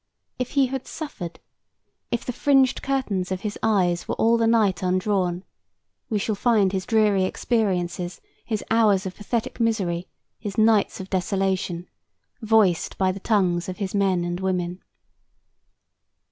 If he had suffered, if the "fringed curtains of his eyes were all the night undrawn," we shall find his dreary experiences his hours of pathetic misery, his nights of desolation voiced by the tongues of his men and women.